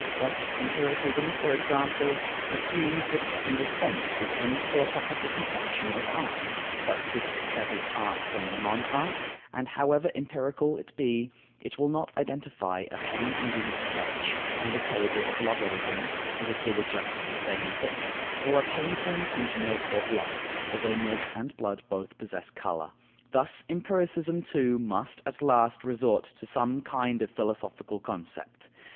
Thus empiricism, for example, assumes that it can dispense with any philosophical conception of art; but, since it severs art from non art and, however empirical it be, it will not identify a pen and ink sketch and a table of logarithms, as if they were just the same thing, or a painting and milk or blood (although milk and blood both possess colour) thus empiricism too must at last resort to some kind of philosophical concept.